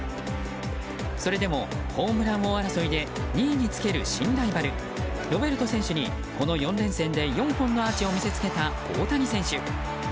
それでも、ホームラン王争いで２位につける新ライバルロベルト選手にこの４連戦で４本のアーチを見せつけた大谷選手。